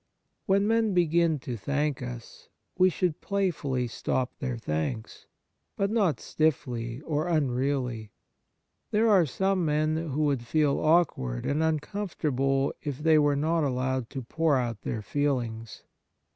When men begin to thank us, we should play fully stop their thanks, but not stiffly or unreally. There are some men who would feel awkward and uncomfortable if they were not allowed to pour out their feelings.